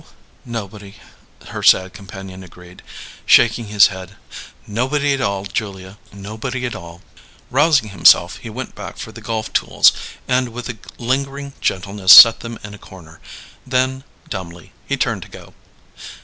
Nobody," her sad companion agreed, shaking his head. "Nobody at all, Julia. Nobody at all." Rousing himself, he went back for the golf tools, and with a lingering gentleness set them in a corner. Then, dumbly, he turned to go.